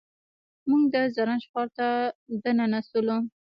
موږ د زرنج ښار ته دننه شولو.